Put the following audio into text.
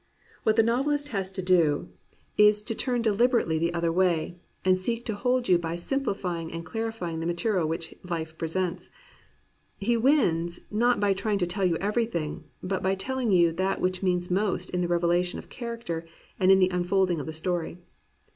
What the novelist has to do is to turn deliberately the other way, and seek to hold you by simplifying and clarifying the material which Hfe presents. He wins not by trying to tell you everything, but by telling you that which means most in the revelation of character and in the unfolding of the story.